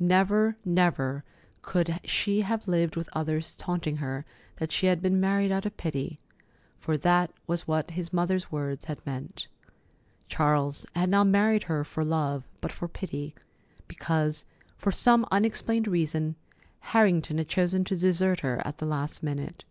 Never, never could she have lived with others taunting her that she had been married out of pity—for that was what his mother's words had meant. Charles had not married her for love, but for pity, because, for some unexplained reason, Harrington had chosen to desert her at the last minute.